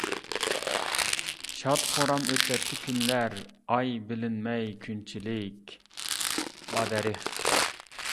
شاد-خۇرام ئۆتەتتى كۈنلەر، ئاي بىلىنمەي كۈنچىلىك، ۋادەرىخ!